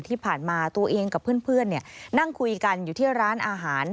ที่ผ่านมาตัวเองกับเพื่อนนั่งคุยกันอยู่ที่ร้านอาหาร